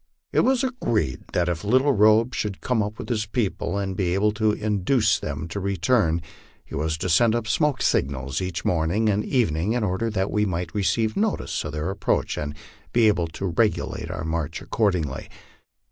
It was agreed that if Little Robe should come up with his people and be able to induce them to return, he was to send up smoke signals each morning and evening, in order that we might receive notice of their approach and be able to regulate our march accordingly.